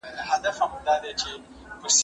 زه اجازه لرم چي موسيقي اورم؟